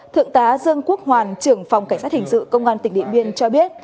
thượng tá dương quốc hoàn trưởng phòng cảnh sát hình sự công an tỉnh điện biên cho biết